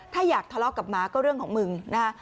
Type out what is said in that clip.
ถ้าอยากทะเลาะกับหมาก็เรื่องของมึงนะฮะ